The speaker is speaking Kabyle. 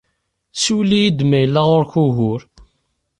Siwel-iyi-d ma yella Ɣur-k ugur.